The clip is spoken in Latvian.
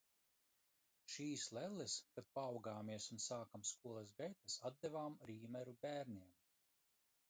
Šīs lelles, kad paaugāmies un sākām skolas gaitas atdevām Rīmeru bērniem.